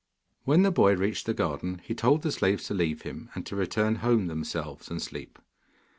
When the boy reached the garden, he told the slaves to leave him, and to return home themselves and sleep.